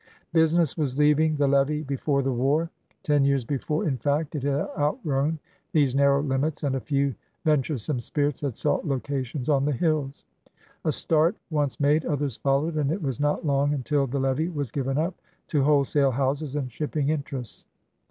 Business was leaving the levee before the war. Ten years before, in fact, it had outgrown these narrow limits and a few venturesome spirits had sought locations on the hills. A start once made, others followed, and it was not long until the levee was given up to wholesale houses and shipping interests.